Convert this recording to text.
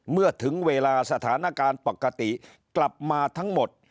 เมื่อถึงเวลาสถานการณ์ปกติกลับมาทั้งหมด